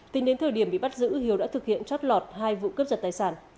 tính đến thời điểm bị bắt giữ hiếu đã thực hiện chót lọt hai vụ cướp giật tài sản